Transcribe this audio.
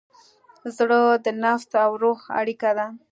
زړه د نفس او روح اړیکه ده.